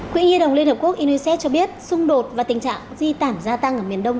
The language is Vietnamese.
quỹ y đồng liên hợp quốc unicef cho biết xung đột và tình trạng di tản gia tăng ở miền đông